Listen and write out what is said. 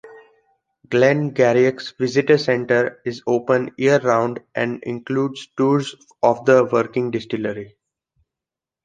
Glen Garioch's visitor centre is open year-round and includes tours of the working distillery.